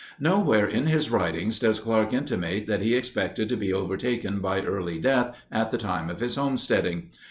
Nowhere in his writings does Clark intimate that he expected to be overtaken by early death at the time of his homesteading.